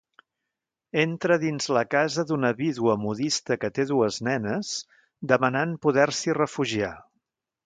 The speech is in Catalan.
Entra dins la casa d'una vídua modista que té dues nenes demanant poder-s'hi refugiar.